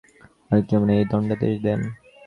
আরিফুজ্জামান এই দণ্ডাদেশ দেন।